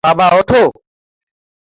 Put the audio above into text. বাবা, উঠো।